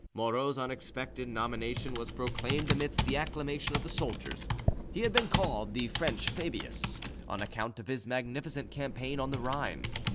Moreau's unexpected nomination was proclaimed amidst the acclamation of the soldiers. He had been called the French Fabius, on account of his magnificent campaign on the Rhine.